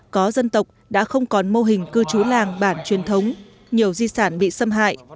có dân tộc đã không còn mô hình cư trú làng bản truyền thống nhiều di sản bị xâm hại